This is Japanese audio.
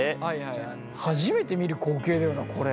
初めて見る光景だよなこれ。